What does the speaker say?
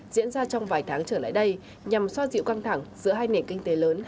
diễn ra trong vài tháng trở lại đây nhằm so dịu căng thẳng giữa hai nền kinh tế lớn hàng đầu thế giới